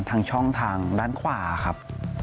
ทางช่องทางด้านขวาครับ